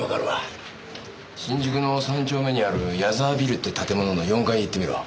新宿の三丁目にある矢沢ビルって建物の４階へ行ってみろ。